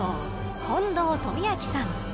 近藤富昭さん。